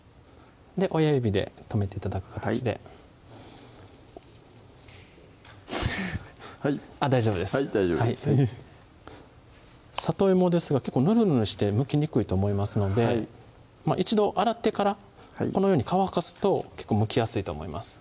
親指で止めて頂く形ではいフフッはい大丈夫です大丈夫ですねさといもですが結構ぬるぬるしてむきにくいと思いますので一度洗ってからこのように乾かすと結構むきやすいと思います